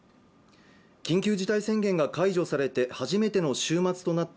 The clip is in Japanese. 緊急事態宣言が解除されて初めての週末となった